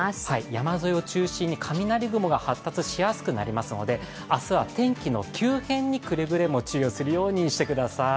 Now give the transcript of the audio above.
山沿いを中心に雷雲が発達しやすくなりますので明日は天気の急変にくれぐれも注意をするようにしてください。